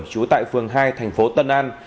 trú tại phường hai thành phố tân an